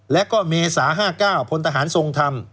และก็เมษา๕๙พลทหารทรงธรรม